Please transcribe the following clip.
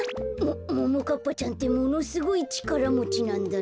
もももかっぱちゃんってものすごいちからもちなんだね。